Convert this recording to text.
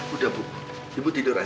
udah bu ibu tidur aja